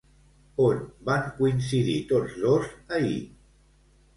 On van coincidir tots dos ahir?